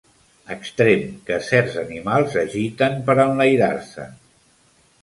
Extrem que certs animals agiten per enlairar-se.